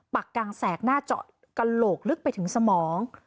ปากกางแสกหน้าเจาะกระโหลกลึกไปถึงสมอง